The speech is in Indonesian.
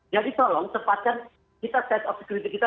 jadi tolong tempatkan kita set of security kita